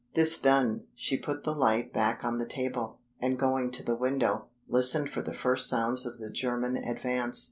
This done, she put the light back on the table, and going to the window, listened for the first sounds of the German advance.